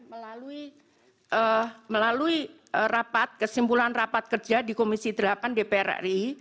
melalui kesimpulan rapat kerja di komisi terhapkan dpr ri